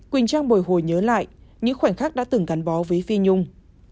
quỳnh trang bồi hồi nhớ lại những khoảnh khắc đã từng gắn bó với phi nhung